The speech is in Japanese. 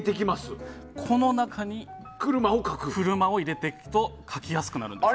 この中に車を入れていくと描きやすくなるんですよ。